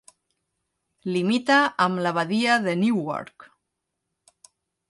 Limita amb la Badia de Newark.